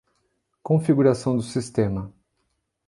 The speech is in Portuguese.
Configuração do sistema.